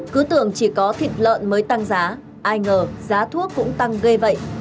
cứ tưởng chỉ có thịt lợn mới tăng giá ai ngờ giá thuốc cũng tăng gây vậy